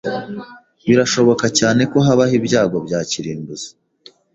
Birashoboka cyane ko habaho ibyago bya kirimbuzi.